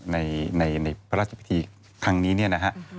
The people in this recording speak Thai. ในพระราชพิธีครั้งนี้เนี่ยนะฮะ